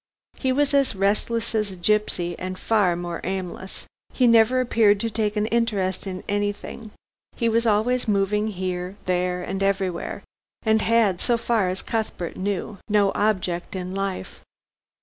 He was as restless as a gipsy and far more aimless. He never appeared to take an interest in anything: he was always moving here, there and everywhere, and had so far as Cuthbert knew no object in life.